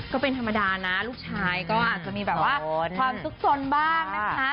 ก็เป็นธรรมดานะลูกชายก็อาจจะมีแบบว่าความสุขสนบ้างนะคะ